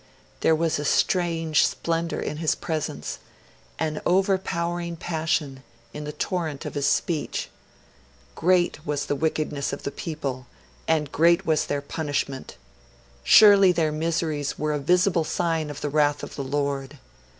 There was a strange splendour in his presence, an overpowering passion in the torrent of his speech. Great was the wickedness of the people, and great was their punishment! Surely their miseries were a visible sign of the wrath of the Lord.